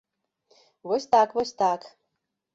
Вось так, вось так!